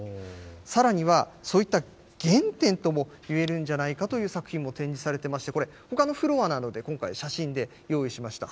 さらには、そういった原点ともいえるんじゃないかという作品も展示されてまして、これ、ほかのフロアなので、今回、写真で用意しました。